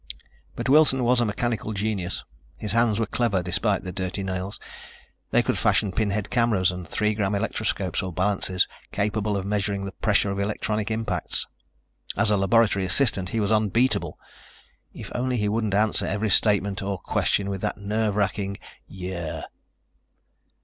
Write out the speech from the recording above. But Wilson was a mechanical genius. His hands were clever despite the dirty nails. They could fashion pinhead cameras and three gram electroscopes or balances capable of measuring the pressure of electronic impacts. As a laboratory assistant he was unbeatable. If only he wouldn't answer every statement or question with that nerve racking 'yeah'!